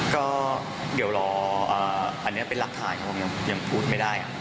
ก็เดี๋ยวรออันนี้เป็นรับถ่ายนะผมยังพูดไม่ได้